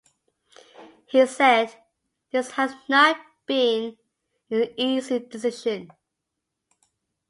He said, This has not been an easy decision...